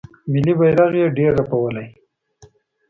ملي بیرغ یې ډیر رپولی